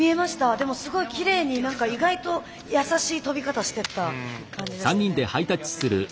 すごいきれいに何か意外と優しい跳び方してった感じでしたね。